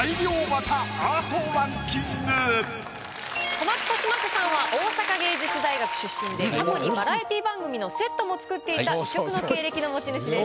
小松利昌さんは大阪芸術大学出身で過去にバラエティー番組のセットも作っていた異色の経歴の持ち主です。